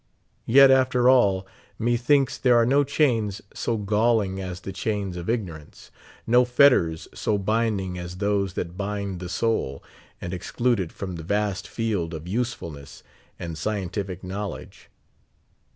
Yet, after all, methinks there are no chains so galling as the chains of ignorance — no fetters so binding as those that bind the soul, and exclude it from the vast field of usefulness and scientific knowledge.